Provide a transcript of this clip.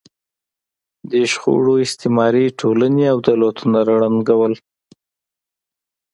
دې شخړو استعماري ټولنې او دولتونه ړنګول.